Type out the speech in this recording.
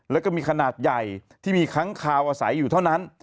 แล้วก็มีขนาดใหญ่ที่มีค้างคาวอาศัยอยู่เท่านั้น